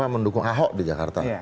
mendukung ahok di jakarta